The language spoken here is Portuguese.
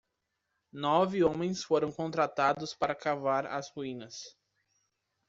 Nove homens foram contratados para cavar as ruínas.